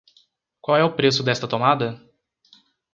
Qual é o preço desta tomada?